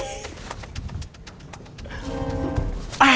aku ngerti ra